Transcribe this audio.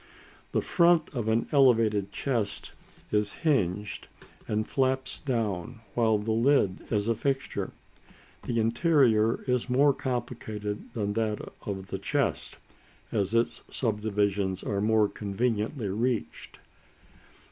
The front of the elevated chest is hinged, and flaps down, while the lid is a fixture; the interior is more complicated than that of the chest, as its subdivisions are more conveniently reached.